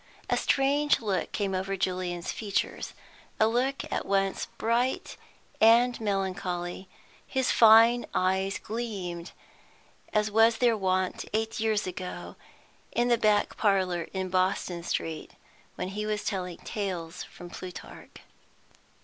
A strange look came over Julian's features, a look at once bright and melancholy; his fine eyes gleamed as was their wont eight years ago, in the back parlour in Boston Street, when he was telling tales from Plutarch.